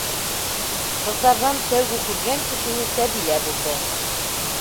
Ҡыҙҙарҙан тәүге күргән кешеһе Сәбилә булды.